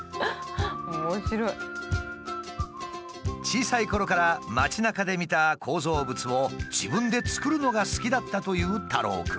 小さいころから街なかで見た構造物を自分で作るのが好きだったというたろう君。